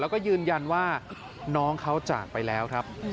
แล้วก็ยืนยันว่าน้องเขาจากไปแล้วครับ